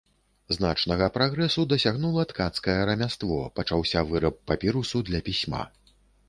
Значнага прагрэсу дасягнула ткацкае рамяство, пачаўся выраб папірусу для пісьма.